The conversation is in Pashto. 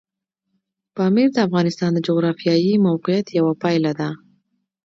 پامیر د افغانستان د جغرافیایي موقیعت یوه پایله ده.